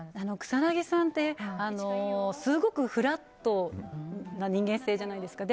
草なぎさんってすごくフラットな人間性じゃないですか。